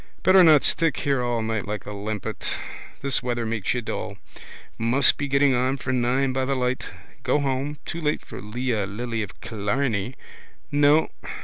Better not stick here all night like a limpet. This weather makes you dull. Must be getting on for nine by the light. Go home. Too late for Leah, Lily of Killarney. No.